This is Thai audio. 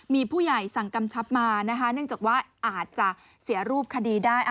มีผู้ใหญ่สั่งกำชับมานะคะเนื่องจากว่าอาจจะเสียรูปคดีได้